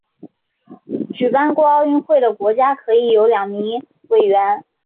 举办过奥运会的国家可以有两名委员。